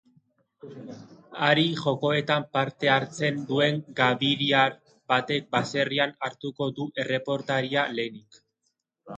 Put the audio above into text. Ahari jokoetan parte hartzen duen gabiriar batek baserrian hartuko du erreportaria lehenik.